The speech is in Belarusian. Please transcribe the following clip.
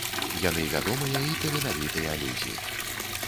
Яны вядомыя і таленавітыя людзі.